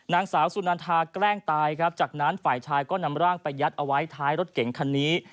นางสาวสุนันทาแกล้งตายครับจากนั้นฝ่ายชายก็นำร่างไปยัดเอาไว้ท้ายรถเก่งคันนี้